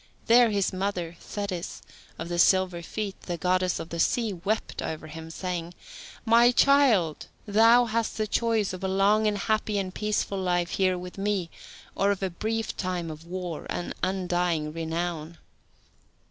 There his mother, Thetis, of the silver feet, the goddess of the sea, wept over him, saying, "My child, thou hast the choice of a long and happy and peaceful life here with me, or of a brief time of war and undying renown.